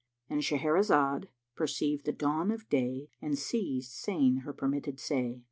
—And Shahrazad perceived the dawn of day and ceased saying her permitted say.